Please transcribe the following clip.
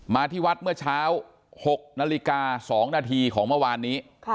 ที่วัดเมื่อเช้า๖นาฬิกา๒นาทีของเมื่อวานนี้